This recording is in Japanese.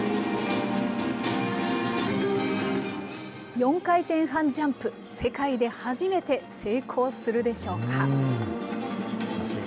４回転半ジャンプ、世界で初めて成功するでしょうか。